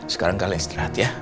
sekarang kalian istirahat ya